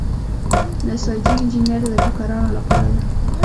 نساجي انجنیری د ټوکرانو لپاره ده.